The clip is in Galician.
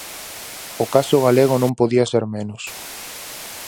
O caso galego non podía ser menos.